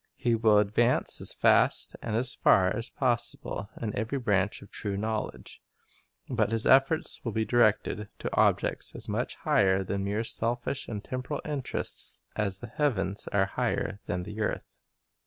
He will advance as fast and as far as possible in every branch of true knowledge. But his efforts will be directed to objects as much higher x Job 28: 15 18. Source and Aim of True Education 19 than mere selfish and temporal interests as the heavens are higher than the earth.